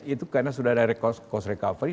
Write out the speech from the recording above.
itu karena sudah ada cost recovery